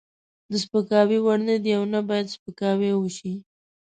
د سپکاوي وړ نه دی او نه باید سپکاوی وشي.